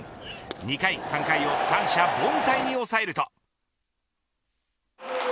２回３回を三者凡退に抑えると。